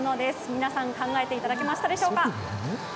皆さん、考えていただけましたでしょうか。